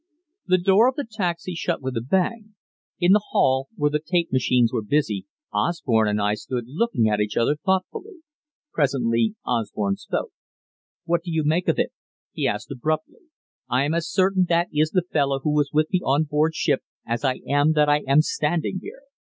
The door of the taxi shut with a bang. In the hall, where the tape machines were busy, Osborne and I stood looking at each other thoughtfully. Presently Osborne spoke. "What do you make of it?" he asked abruptly. "I am as certain that is the fellow who was with me on board ship as I am that I am standing here."